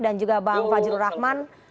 dan juga pak fadjro rahman